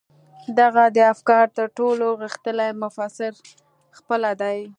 د هغه د افکارو تر ټولو غښتلی مفسر خپله دی و.